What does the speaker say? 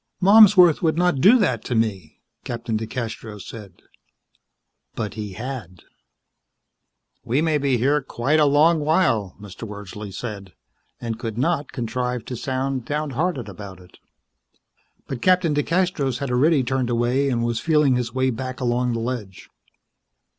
"Malmsworth would not do that to me," Captain DeCastros said. But he had. "We may be here quite a long while," Mr. Wordsley said, and could not contrive to sound downhearted about it. But Captain DeCastros had already turned away and was feeling his way back along the ledge.